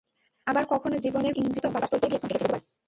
আবার কখনো জীবনের বিকল ইঞ্জিনের মতো বারবার চলতে গিয়ে থমকে গেছি বহুবার।